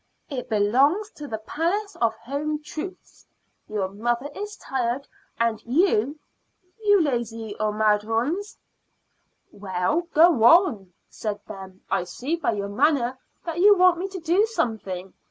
"It belongs to the Palace of Home Truths. Your mother is tired, and you you lazy omadhauns " "Well, go on," said Ben. "I see by your manner that you want me to do something.